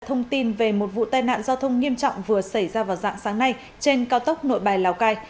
thông tin về một vụ tai nạn giao thông nghiêm trọng vừa xảy ra vào dạng sáng nay trên cao tốc nội bài lào cai